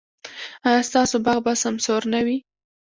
ایا ستاسو باغ به سمسور نه وي؟